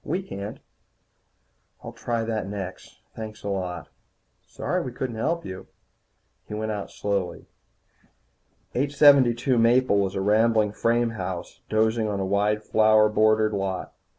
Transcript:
We can't." "I'll try that next. Thanks a lot." "Sorry we couldn't help you." He went out slowly. 872 Maple was a rambling frame house dozing on a wide flower bordered lot.